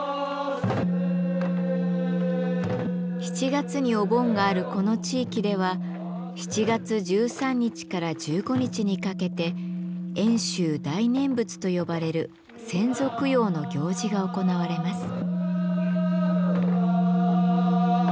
７月にお盆があるこの地域では７月１３日から１５日にかけて遠州大念仏と呼ばれる先祖供養の行事が行われます。